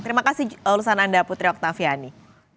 terima kasih lulusan anda putri oktaviani